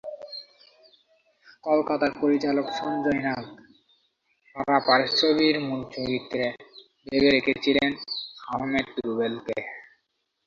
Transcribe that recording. কলকাতার পরিচালক সঞ্জয় নাগ পারাপার ছবির মূল চরিত্রে ভেবে রেখেছিলেন আহমেদ রুবেলকে।